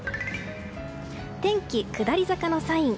天気下り坂のサイン。